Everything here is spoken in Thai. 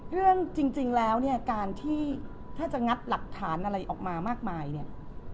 เรื่องจริงแล้วเนี่ยการที่ถ้าจะงัดหลักฐานอะไรออกมามากมายเนี่ย